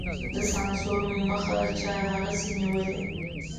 د سانسور مخه چا هغسې نېولې.